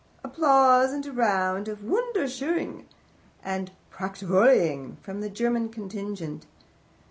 Applause, and a round of "wunderschoning" and "prachtvolleying" from the German contingent.